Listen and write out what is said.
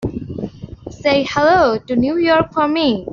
Say hello to New York for me.